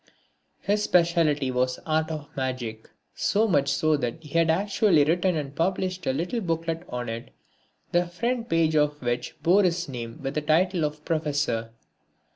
His specialty was the art of Magic, so much so that he had actually written and published a little booklet on it, the front page of which bore his name with the title of Professor.